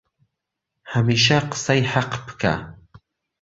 هەمیشە قسەی حەق بکە